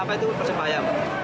kita mengawal persebaya